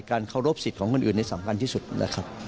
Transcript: เคารพสิทธิ์ของคนอื่นนี่สำคัญที่สุดนะครับ